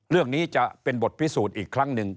เรื่องนี้จะเป็นบทพิสูจน์อีกครั้งหนึ่ง